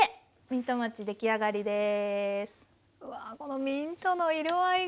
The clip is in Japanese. ミントもちの出来上がりです。